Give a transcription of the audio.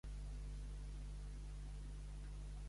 A treballar, allà, Berta.